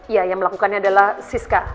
ya yang melakukannya adalah siska